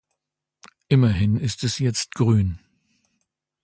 Immerhin ist es jetzt grün.